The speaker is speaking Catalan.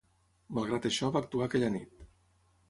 Malgrat això, va actuar aquella nit.